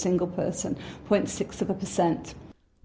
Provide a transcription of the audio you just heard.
jika anda adalah seorang orang